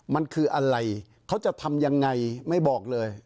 มันคืออะไรเขาจะทำยังไงไม่บอกเลย